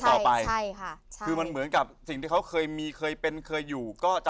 ต่อไปใช่ค่ะใช่คือมันเหมือนกับสิ่งที่เขาเคยมีเคยเป็นเคยอยู่ก็จะ